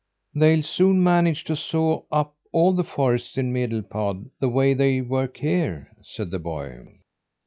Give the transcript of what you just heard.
"They'll soon manage to saw up all the forests in Medelpad the way they work here," said the boy.